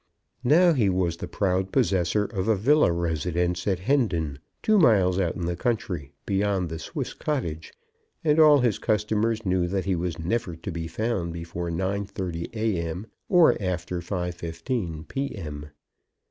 Now he was the proud possessor of a villa residence at Hendon, two miles out in the country beyond the Swiss Cottage; and all his customers knew that he was never to be found before 9.30 A.M., or after 5.15 P.M.